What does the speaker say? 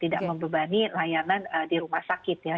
tidak membebani layanan di rumah sakit ya